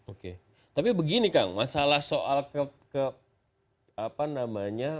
oke tapi begini kang masalah soal ke apa namanya